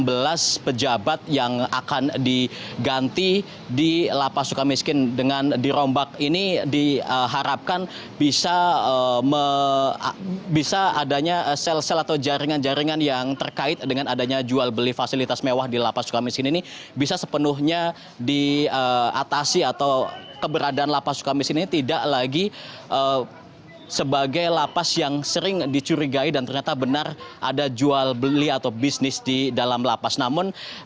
sebelas pejabat yang akan diganti di lapa suka miskin dengan dirombak ini diharapkan bisa adanya sel sel atau jaringan jaringan yang terkait dengan adanya jual beli fasilitas mewah di lapa suka miskin ini bisa sepenuhnya diatasi atau keberadaan lapa suka miskin ini tidak lagi sebagai lapas yang sering dicurigai dan ternyata benar ada jual beli atau bisnis di dalam lapa suka miskin ini